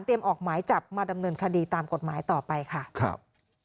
ออกหมายจับมาดำเนินคดีตามกฎหมายต่อไปค่ะครับ